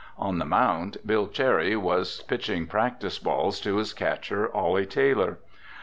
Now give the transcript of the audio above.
On the mound, Bill Cherry was pitching practice balls to his catcher, Ollie Taylor.